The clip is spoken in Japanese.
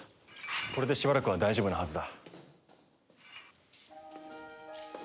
これでしばらくは大丈夫なはずだ。